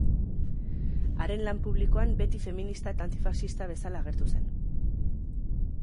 Haren lan publikoan beti feminista eta antifaxista bezala agertu zen.